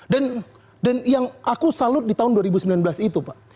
dan dan yang aku salut di tahun dua ribu sembilan belas itu pak